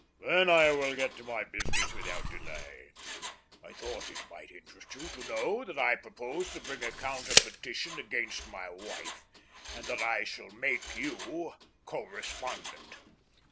"Then I will get to my business without delay. I thought it might interest you to know that I propose to bring a counter petition against my wife, and I shall make you co respondent."